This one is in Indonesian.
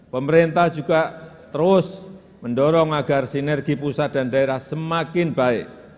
pemerintah juga terus mendorong agar sinergi pusat dan daerah semakin baik